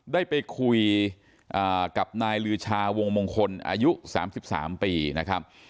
ได้ไปคุยกับนายลือชาวงมงคลอายุ๓๓ปีนะครับ